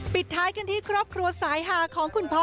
ปิดท้ายกันที่ครอบครัวสายหาของคุณพ่อ